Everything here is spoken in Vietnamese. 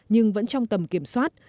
nhưng vẫn trong tầm kiểm soát